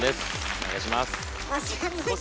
お願いします。